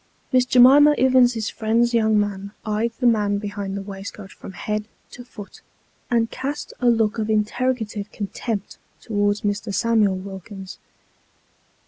Miss J'mima Ivins's friend's young man eyed the man behind the waistcoat from head to foot, and cast a look of interrogative contempt towards Mr. Samuel Wilkins.